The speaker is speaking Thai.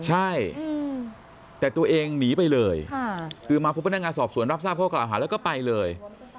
ใช่แต่ตัวเองหนีไปเลยคือมาพบพนักงานสอบสวนรับทราบข้อกล่าวหาแล้วก็ไปเลย